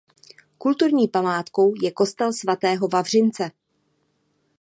Kulturní památkou je Kostel svatého Vavřince.